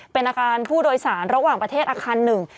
เป็นอาคารผู้โดยสารระหว่างประเทศอาคารหนึ่ง